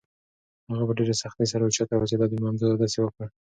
هغه په ډېرې سختۍ سره اوچته پاڅېده او د لمانځه اودس یې وکړ.